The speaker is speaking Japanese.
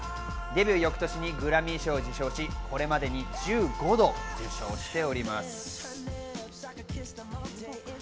デビュー翌年にグラミー賞を受賞し、これまでに１５度受賞しております。